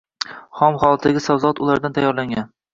Xom holatdagi sabzavot ulardan tayyorlangan